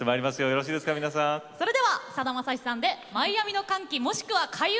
それではさだまさしさんで「マイアミの歓喜もしくは開運」。